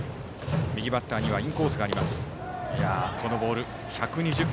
右バッターにはインコースがあります。